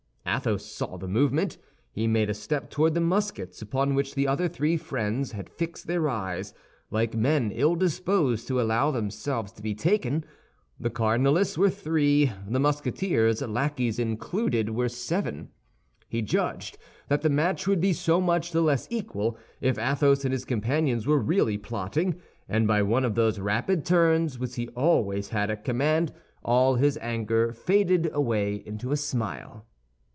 Athos saw the movement; he made a step toward the muskets, upon which the other three friends had fixed their eyes, like men ill disposed to allow themselves to be taken. The cardinalists were three; the Musketeers, lackeys included, were seven. He judged that the match would be so much the less equal, if Athos and his companions were really plotting; and by one of those rapid turns which he always had at command, all his anger faded away into a smile.